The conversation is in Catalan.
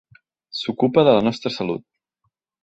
S'ocupa de la nostra salut.